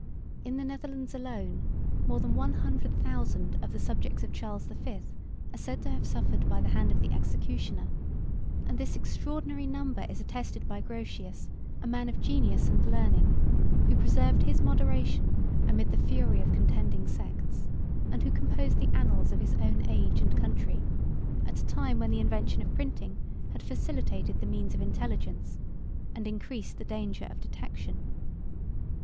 In the Netherlands alone, more than one hundred thousand of the subjects of Charles V. are said to have suffered by the hand of the executioner; and this extraordinary number is attested by Grotius, 185 a man of genius and learning, who preserved his moderation amidst the fury of contending sects, and who composed the annals of his own age and country, at a time when the invention of printing had facilitated the means of intelligence, and increased the danger of detection.